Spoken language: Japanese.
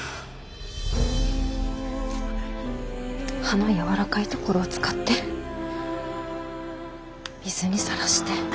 葉のやわらかいところを使って水にさらして。